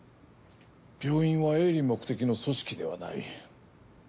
病院は営利目的の組織ではない。